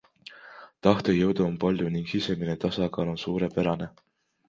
Tahtejõudu on palju ning sisemine tasakaal on suurepärane.